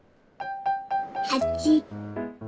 ８。